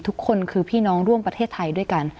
ทุกคนคือพี่น้องร่วมประเทศไทยด้วยกัน